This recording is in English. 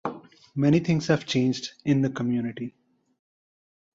Many things have changed in the community.